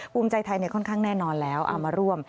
ภูมิใจไทยค่อนข้างแน่นอนแล้วเอามาร่วม